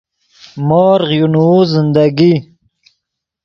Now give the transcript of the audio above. مورغ یو نوؤ زندگی